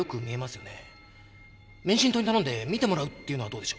免震棟に頼んで見てもらうっていうのはどうでしょう？